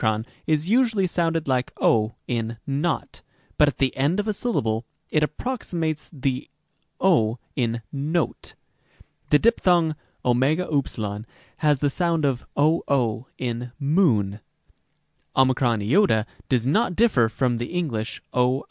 o is usually sounded like ὁ in not, but at the end of a syllable it approximates to the o in note. The diphthong ov has the sound of 00 in moon ; ot does not differ from the English οὐ.